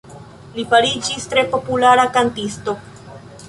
Li fariĝis tre populara kantisto.